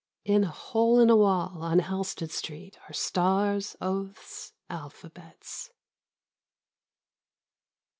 In a hole in a wall on Halsted Street are stars, oaths, alphabets.